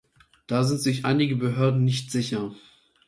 Da sind sich einige Behörden nicht sicher.